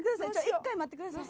１回待ってください。